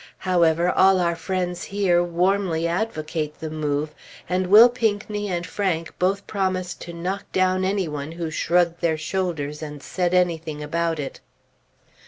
However, all our friends here warmly advocate the move, and Will Pinckney and Frank both promised to knock down any one who shrugged their shoulders and said anything about it.